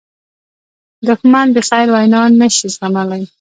دښمن د خیر وینا نه شي زغملی